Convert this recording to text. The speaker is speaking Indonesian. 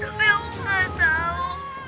tapi aku gak tau